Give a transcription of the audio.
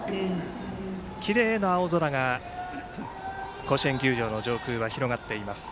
きれいな青空が甲子園球場の上空に広がっています。